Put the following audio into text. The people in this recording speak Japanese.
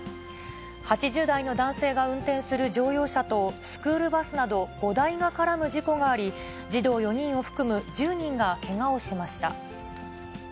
８０代の男性が運転する乗用車と、スクールバスなど５台が絡む事故があり、児童４人を含む１０人がけがをしました。